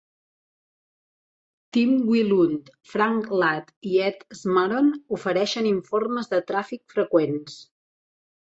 Tim Wilund, Frank Ladd i Ed Smaron ofereixen informes de tràfic freqüents.